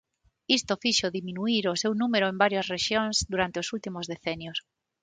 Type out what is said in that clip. Isto fixo diminuír o seu número en varias rexións durante os últimos decenios.